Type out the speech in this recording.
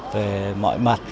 về mọi mặt